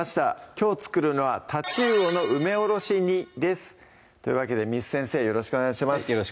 きょう作るのは「太刀魚の梅おろし煮」ですというわけで簾先生よろしくお願いします